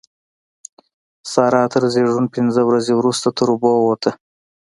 سارا تر زېږون پينځه ورځې روسته تر اوبو ووته.